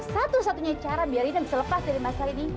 satu satunya cara biar ina bisa lepas dari masalah ini